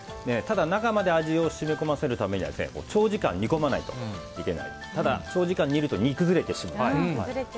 ただ、中まで味を染み込ませるためには長時間煮込まないといけないただ長時間煮ると煮崩れてしまう。